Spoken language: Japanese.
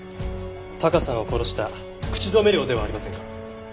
タカさんを殺した口止め料ではありませんか？